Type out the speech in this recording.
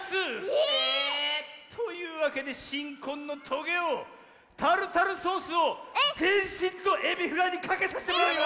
え⁉というわけでしんこんのトゲオタルタルソースをぜんしんとエビフライにかけさせてもらうぞ！